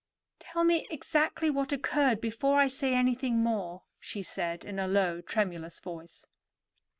"Tell me exactly what occurred before I say anything more," she said in a low, tremulous voice.